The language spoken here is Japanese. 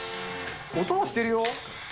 音もしてるよ。